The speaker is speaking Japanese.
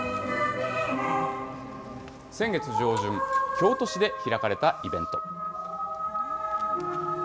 先月上旬、京都市で開かれたイベント。